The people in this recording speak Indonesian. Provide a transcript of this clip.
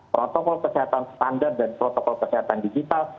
protokol kesehatan standar dan protokol kesehatan digital